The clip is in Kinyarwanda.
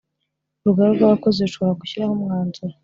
Urugaga rw’ abakozi rushobora gushyiraho umwanzuro